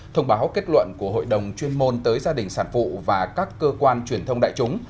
thông báo kết luận của hội đồng chuyên môn tới gia đình sản phụ và các cơ quan truyền thông đại chúng